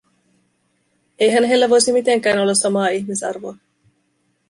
Eihän heillä voisi mitenkään olla samaa ihmisarvoa.